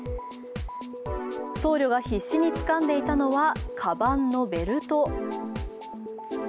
僧侶が必死につかんでいたのはかばんのベルト。